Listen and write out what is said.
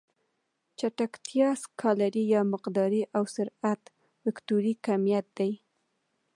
چټکتیا سکالري يا مقداري او سرعت وکتوري کميت دی.